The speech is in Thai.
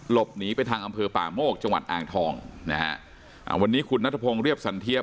หลบหนีไปทางอำเภอป่าโมกจังหวัดอ่างทองนะฮะอ่าวันนี้คุณนัทพงศ์เรียบสันเทียบ